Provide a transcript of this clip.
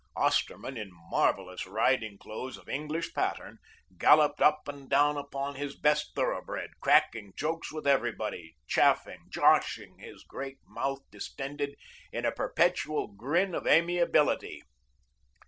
Osterman, in marvellous riding clothes of English pattern, galloped up and down upon his best thoroughbred, cracking jokes with everybody, chaffing, joshing, his great mouth distended in a perpetual grin of amiability.